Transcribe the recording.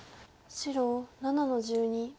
白７の十二。